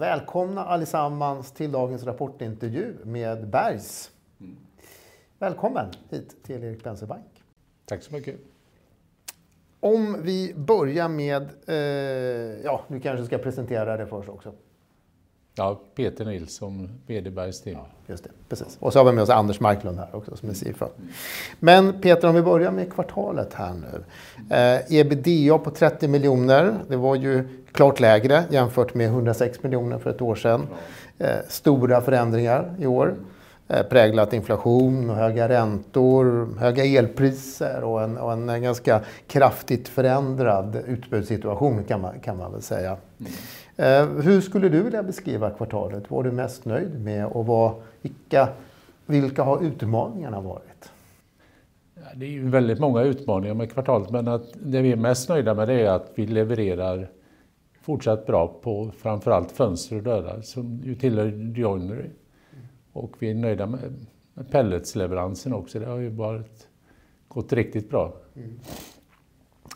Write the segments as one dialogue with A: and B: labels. A: Välkomna allesammans till dagens Rapportintervju med Bergs. Välkommen hit till Erik Penser Bank.
B: Tack så mycket.
A: Vi börja med, ja, du kanske ska presentera dig för oss också.
B: Ja, Peter Nilsson, VD Bergs Timber.
A: Just det, precis. Har vi med oss Anders Marklund här också som ni ser fram. Peter, om vi börja med kvartalet här nu. EBITDA på 30 miljoner, det var ju klart lägre jämfört med 106 miljoner för ett år sedan. Stora förändringar i år präglat inflation och höga räntor, höga elpriser och en ganska kraftigt förändrad utbudssituation kan man väl säga. Hur skulle du vilja beskriva kvartalet? Vad är du mest nöjd med och vilka har utmaningarna varit?
B: Det är ju väldigt många utmaningar med kvartalet, men att det vi är mest nöjda med det är att vi levererar fortsatt bra på framför allt fönster och dörrar som ju tillhör Joinery. Vi är nöjda med pelletsleveransen också. Det har ju gått riktigt bra.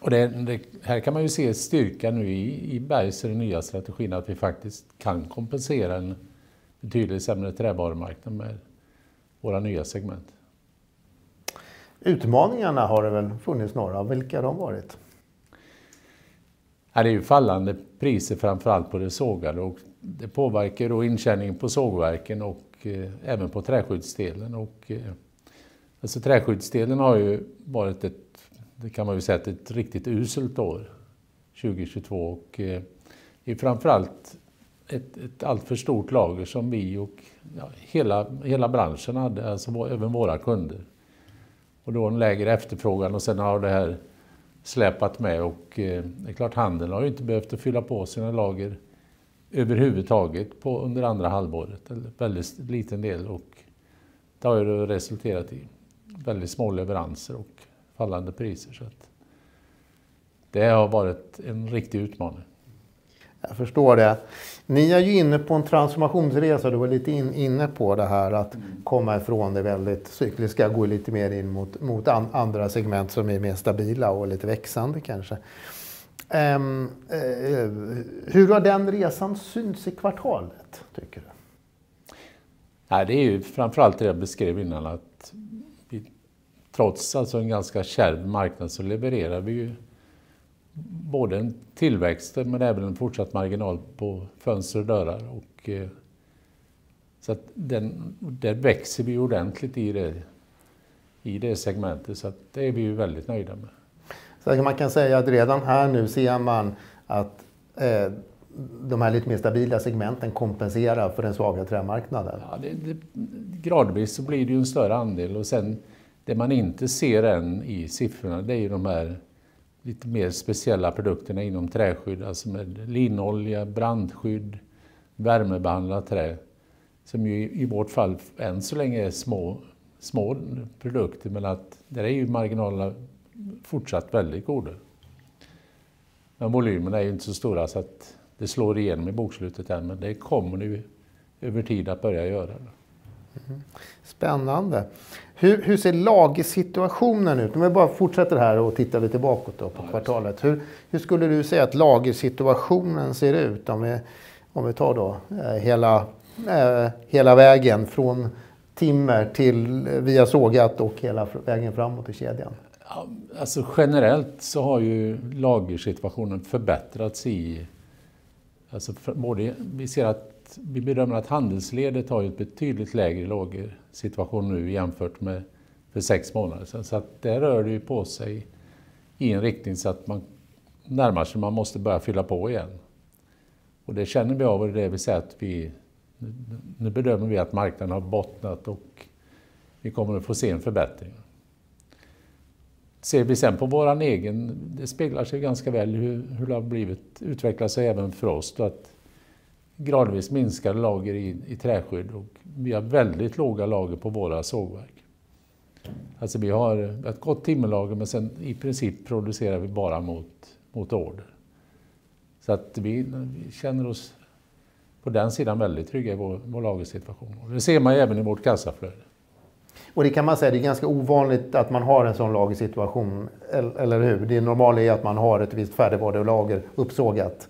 B: Det, här kan man ju se styrkan nu i Bergs och den nya strategin att vi faktiskt kan kompensera en betydelse sämre trävarumarknad med våra nya segment.
A: Utmaningarna har det väl funnits några. Vilka har de varit?
B: Ja, det är ju fallande priser, framför allt på det sågade. Det påverkar då intjäningen på sågverken och även på träskyddsdelen. Alltså träskyddsdelen har ju varit ett, det kan man väl säga, ett riktigt uselt år, 2022. Det är framför allt ett alltför stort lager som vi och ja, hela branschen hade, alltså även våra kunder. Då en lägre efterfrågan och sen har det här släpat med. Det är klart, handeln har ju inte behövt att fylla på sina lager överhuvudtaget på under andra halvåret. En väldigt liten del och det har ju resulterat i väldigt små leveranser och fallande priser. Det har varit en riktig utmaning.
A: Jag förstår det. Ni är ju inne på en transformationsresa. Du var lite inne på det här att komma ifrån det väldigt cykliska och gå lite mer in mot andra segment som är mer stabila och lite växande kanske. Hur har den resan synts i kvartalet tycker du?
B: Ja, det är ju framför allt det jag beskrev innan att vi trots alltså en ganska kärv marknad så levererar vi ju både en tillväxt men även en fortsatt marginal på fönster och dörrar. Att den, där växer vi ordentligt i det, i det segmentet. Att det är vi ju väldigt nöjda med.
A: Man kan säga att redan här nu ser man att de här lite mer stabila segmenten kompenserar för den svagare trämarknaden?
B: Ja, det, gradvis så blir det ju en större andel. Sen det man inte ser än i siffrorna, det är ju de här lite mer speciella produkterna inom träskydd. Alltså med linolja, brandskydd, värmebehandlat trä som ju i vårt fall än så länge är små produkter. Där är ju marginalerna fortsatt väldigt goda. Volymerna är inte så stora så att det slår igenom i bokslutet än. Det kommer nu över tid att börja göra det.
A: Spännande. Hur ser lagersituationen ut? Om jag bara fortsätter här och tittar lite bakåt då på kvartalet. Hur skulle du säga att lagersituationen ser ut? Om vi tar då hela vägen från timmer till via sågat och hela vägen framåt i kedjan.
B: Alltså generellt så har ju lagersituationen förbättrats i. Vi ser att, vi bedömer att handelsledet har ju ett betydligt lägre lagersituation nu jämfört med för 6 månader sen. Det rör det ju på sig i en riktning så att man närmar sig, man måste börja fylla på igen. Det känner vi av och det vill säga att vi, nu bedömer vi att marknaden har bottnat och vi kommer att få se en förbättring. Ser vi sen på våran egen, det speglar sig ganska väl hur det har blivit utvecklat sig även för oss. Att gradvis minskar lager i träskydd och vi har väldigt låga lager på våra sågverk. Alltså, vi har ett gott timmerlager, men sen i princip producerar vi bara mot order. Vi känner oss på den sidan väldigt trygga i vår lagersituation. Det ser man även i vårt kassaflöde.
A: Det kan man säga, det är ganska ovanligt att man har en sådan lagersituation, eller hur? Det normala är att man har ett visst färdigvarulager uppsågat.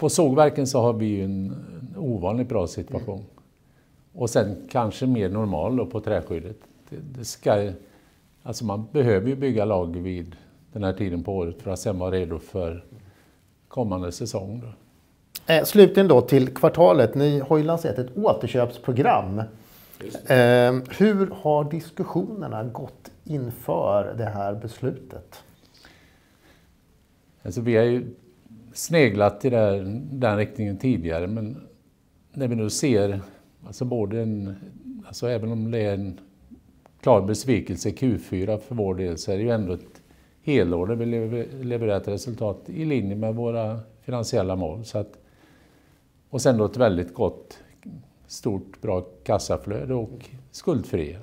B: Ja, på sågverken så har vi en ovanligt bra situation. Sen kanske mer normal då på träskyddet. Det ska, alltså man behöver ju bygga lager vid den här tiden på året för att sen vara redo för kommande säsong.
A: Slutligen då till kvartalet. Ni har ju lanserat ett återköpsprogram. hur har diskussionerna gått inför det här beslutet?
B: Vi har ju sneglat i det, den riktningen tidigare, men när vi nu ser alltså både en, alltså även om det är en klar besvikelse i Q4 för vår del, så är det ju ändå ett helår där vi levererat ett resultat i linje med våra finansiella mål. Då ett väldigt gott, stort, bra kassaflöde och skuldfria.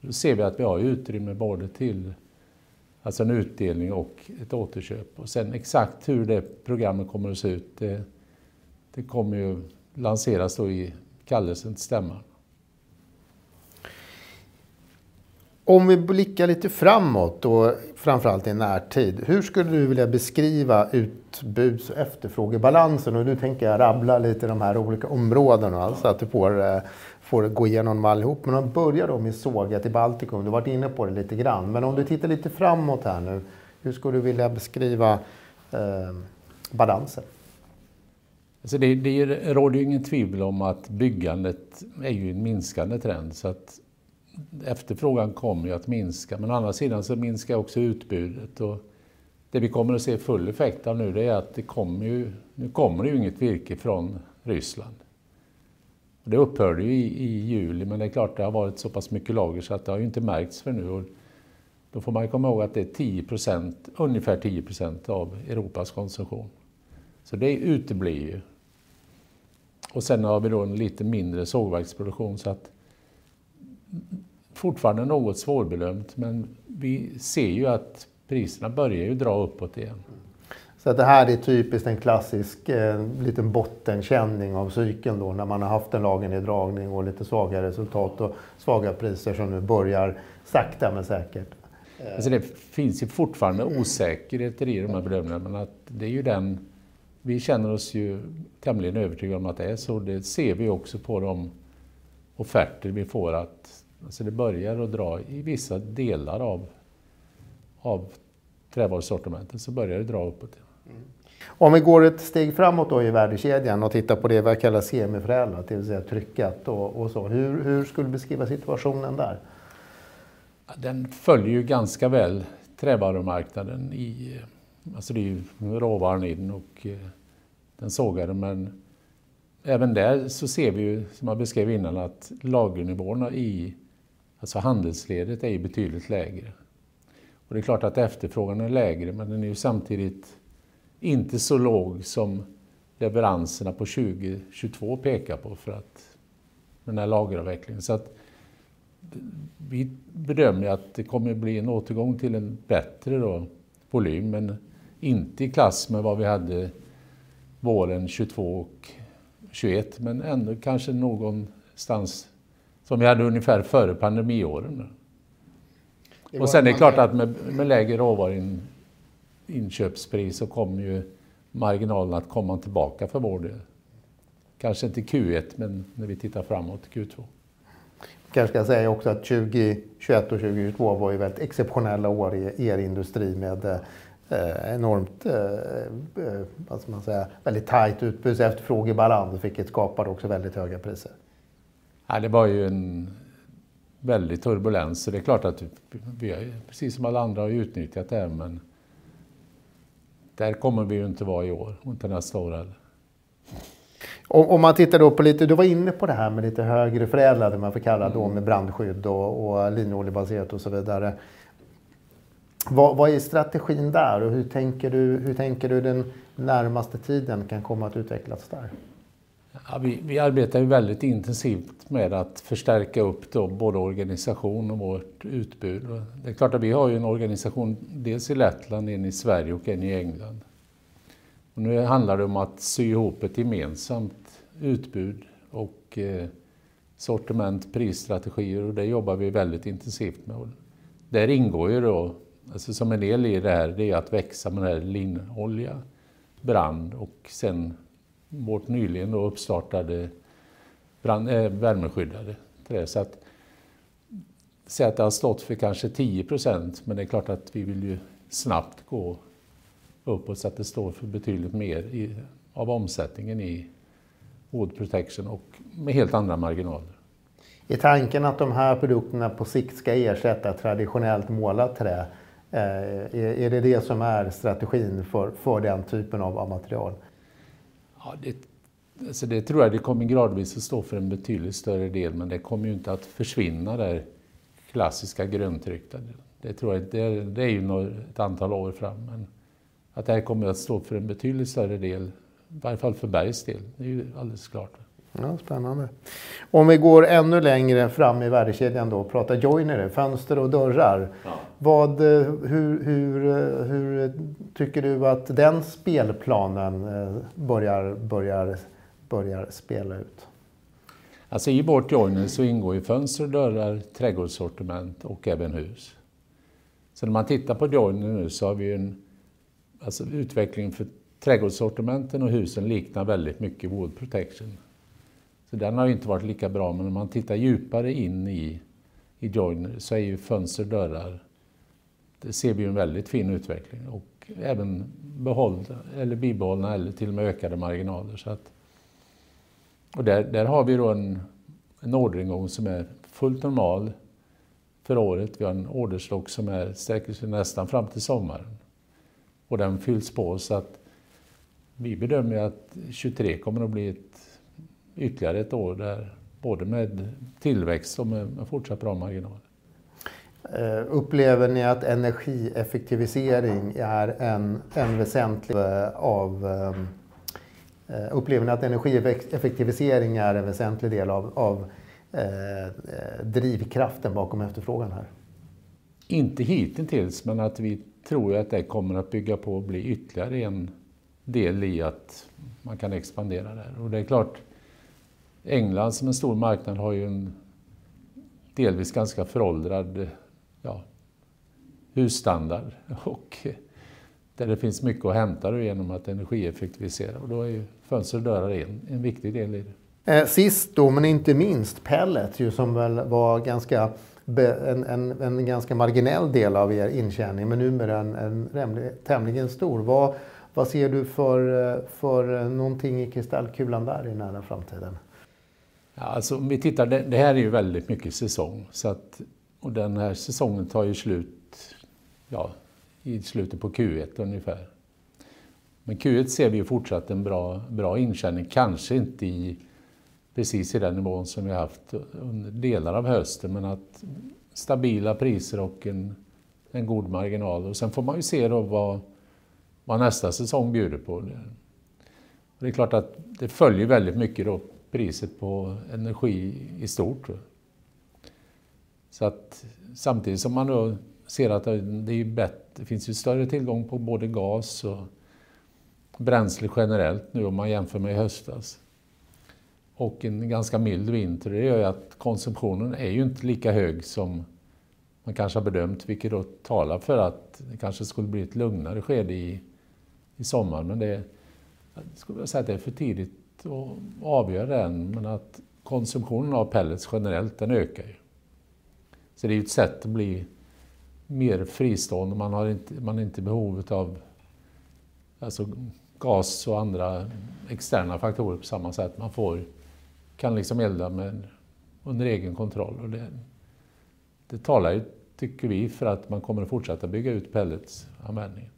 B: Då ser vi att vi har utrymme både Alltså en utdelning och ett återköp. Exakt hur det programmet kommer att se ut, det kommer ju lanseras då i kallelsen till stämman.
A: Om vi blickar lite framåt då, framför allt i närtid, hur skulle du vilja beskriva utbuds- och efterfrågebalansen? Nu tänker jag rabbla lite de här olika områdena så att du får gå igenom allihop. Om börjar då med såget i Baltikum. Du har varit inne på det lite grann, men om du tittar lite framåt här nu, hur skulle du vilja beskriva balansen?
B: Alltså det råder ju ingen tvivel om att byggandet är ju i en minskande trend. Efterfrågan kommer ju att minska. Å andra sidan så minskar också utbudet. Det vi kommer att se full effekt av nu, det är att det kommer ju, nu kommer det ju inget virke från Ryssland. Det upphörde ju i juli, men det är klart, det har varit så pass mycket lager så att det har ju inte märkts förrän nu. Då får man ju komma ihåg att det är 10%, ungefär 10%, av Europas konsumtion. Det uteblir ju. Sen har vi då en lite mindre sågverksproduktion. Fortfarande något svårbedömt, men vi ser ju att priserna börjar ju dra uppåt igen.
A: det här är typiskt en klassisk, liten bottenkänning av cykeln då när man har haft en lagerneddragning och lite svaga resultat och svaga priser som nu börjar sakta men säkert.
B: Det finns ju fortfarande osäkerheter i de här bedömningarna. Vi känner oss ju tämligen övertygad om att det är så. Det ser vi också på de offerter vi får att, alltså det börjar att dra i vissa delar av trävarusortimentet, så börjar det dra uppåt.
A: Om vi går ett steg framåt då i värdekedjan och tittar på det vi har kallat semifärdiga, det vill säga trycket och så. Hur skulle du beskriva situationen där?
B: Ja, den följer ju ganska väl trävarumarknaden i, alltså det är ju råvaran in och den sågade. Även där så ser vi ju, som man beskrev innan, att lagernivåerna i, alltså handelsledet är ju betydligt lägre. Det är klart att efterfrågan är lägre, men den är ju samtidigt inte så låg som leveranserna på 2022 pekar på för att den här lageravvecklingen. Vi bedömer att det kommer att bli en återgång till en bättre då volym, men inte i klass med vad vi hade våren 2022 och 2021, men ändå kanske någonstans som vi hade ungefär före pandemiåren då. Sen är det klart att med lägre råvaruinköpspris så kommer ju marginalen att komma tillbaka för vår del. Kanske inte i Q1, men när vi tittar framåt i Q2.
A: Kanske ska jag säga också att 2021 och 2022 var ju väldigt exceptionella år i er industri med enormt vad ska man säga, väldigt tajt utbudsefterfrågebalans, vilket skapade också väldigt höga priser.
B: Ja, det var ju en väldig turbulens. Det är klart att vi är, precis som alla andra, har ju utnyttjat det här, men där kommer vi ju inte vara i år och inte nästa år heller.
A: Om man tittar då på lite, du var inne på det här med lite högre förädlade om jag får kalla det, med brandskydd och linoljebaserat och så vidare. Vad är strategin där? Hur tänker du den närmaste tiden kan komma att utvecklas där?
B: Ja, vi arbetar ju väldigt intensivt med att förstärka upp då både organisation och vårt utbud. Det är klart att vi har ju en organisation, dels i Lettland, en i Sverige och en i England. Nu handlar det om att sy ihop ett gemensamt utbud och sortiment, prisstrategier. Det jobbar vi väldigt intensivt med. Där ingår ju då, alltså som en del i det här, det är att växa med den här linolja, brandskydd och sen vårt nyligen då uppstartade brandskyddsimpregnerat trä. Säg att det har stått för kanske 10%, men det är klart att vi vill ju snabbt gå uppåt så att det står för betydligt mer av omsättningen i Wood Protection och med helt andra marginaler.
A: Är tanken att de här produkterna på sikt ska ersätta traditionellt målat trä? Är det det som är strategin för den typen av material?
B: Alltså, det tror jag. Det kommer gradvis att stå för en betydligt större del, men det kommer ju inte att försvinna det här klassiska grundtryckta. Det tror jag inte. Det är ju nog ett antal år fram, men att det här kommer att stå för en betydligt större del, i varje fall för Bergs del. Det är ju alldeles klart.
A: Ja, spännande. Om vi går ännu längre fram i värdekedjan då och pratar Joinery, fönster och dörrar. Vad, hur tycker du att den spelplanen börjar spela ut?
B: I vårt Joinery så ingår ju fönster, dörrar, trädgårdssortiment och även hus. När man tittar på Joinery nu så har vi en utveckling för trädgårdssortimenten och husen liknar väldigt mycket Wood Protection. Den har inte varit lika bra. Om man tittar djupare in i Joinery så är ju fönster, dörrar. Det ser vi en väldigt fin utveckling och även behållna eller bibehållna eller till och med ökade marginaler. Och där har vi då en orderingång som är fullt normal för året. Vi har en orderstock som sträcker sig nästan fram till sommaren, och den fylls på. Vi bedömer att 2023 kommer att bli ett ytterligare ett år där både med tillväxt och med fortsatta bra marginaler.
A: Upplever ni att energieffektivisering är en väsentlig del av drivkraften bakom efterfrågan här?
B: Inte hitintills, att vi tror att det kommer att bygga på att bli ytterligare en del i att man kan expandera det här. Det är klart, England som en stor marknad har ju en delvis ganska föråldrad, ja, husstandard. Där det finns mycket att hämta då igenom att energieffektivisera. Då är ju fönster och dörrar en viktig del i det.
A: Sist då, men inte minst, pellet ju som väl var ganska en ganska marginell del av er intjäning, men numera en tämligen stor. Vad ser du för någonting i kristallkulan där i nära framtiden?
B: Ja alltså om vi tittar, det här är ju väldigt mycket säsong. Den här säsongen tar ju slut i slutet på Q1 ungefär. Q1 ser vi ju fortsatt en bra intjäning, kanske inte i precis i den nivån som vi haft under delar av hösten, men att stabila priser och en god marginal. Sen får man ju se då vad nästa säsong bjuder på. Det är klart att det följer väldigt mycket då priset på energi i stort. Samtidigt som man ser att det är bättre, det finns ju större tillgång på både gas och bränsle generellt nu om man jämför med i höstas. En ganska mild vinter, det gör ju att konsumtionen är ju inte lika hög som man kanske har bedömt, vilket då talar för att det kanske skulle bli ett lugnare skede i sommaren. Det skulle jag säga att det är för tidigt att avgöra det än. Att konsumtionen av pellets generellt, den ökar ju. Det är ju ett sätt att bli mer fristående. Man har inte, man har inte behov utav, alltså gas och andra externa faktorer på samma sätt. Man får, kan liksom elda med under egen kontroll. Det talar ju tycker vi för att man kommer att fortsätta bygga ut pelletsanvändningen.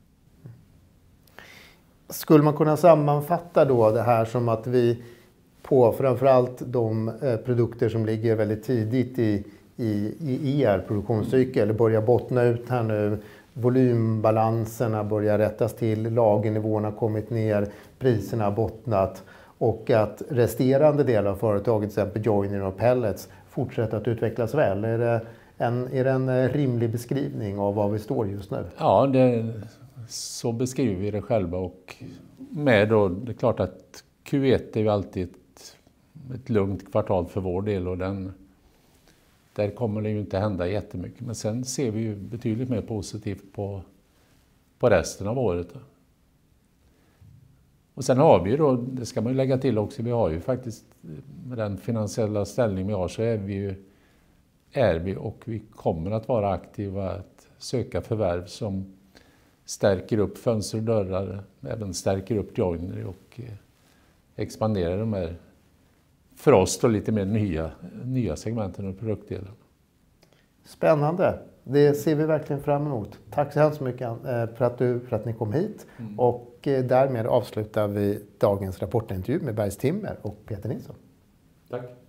A: Skulle man kunna sammanfatta då det här som att vi på framför allt de produkter som ligger väldigt tidigt i, i er produktionscykel börjar bottna ut här nu, volymbalanserna börjar rättas till, lagernivåerna har kommit ner, priserna har bottnat och att resterande delar av företaget, till exempel Joinery och Pellets, fortsätter att utvecklas väl. Är det en rimlig beskrivning av var vi står just nu?
B: Ja, så beskriver vi det själva. Det är klart att Q1 är ju alltid ett lugnt kvartal för vår del och där kommer det ju inte hända jättemycket. Sen ser vi ju betydligt mer positivt på resten av året. Sen har vi ju då, det ska man lägga till också, vi har ju faktiskt med den finansiella ställning vi har så är vi och vi kommer att vara aktiva att söka förvärv som stärker upp fönster och dörrar, även stärker upp Joinery och expanderar de här för oss då lite mer nya segmenten och produktdelar.
A: Spännande. Det ser vi verkligen fram emot. Tack så hemskt mycket för att du, för att ni kom hit och därmed avslutar vi dagens rapportintervju med Bergs Timber och Peter Nilsson.
B: Tack!